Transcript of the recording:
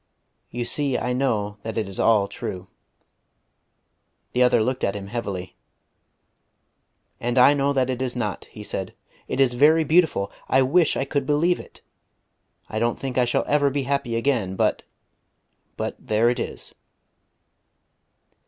You see I know that it is all true." The other looked at him heavily. "And I know that it is not," he said. "It is very beautiful; I wish I could believe it. I don't think I shall be ever happy again but but there it is."